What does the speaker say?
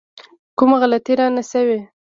کومه غلطي رانه شوې.